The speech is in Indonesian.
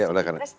ya boleh karena